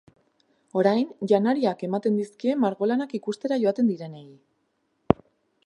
Orain, janariak ematen dizkie margolanak ikustera joaten direnei.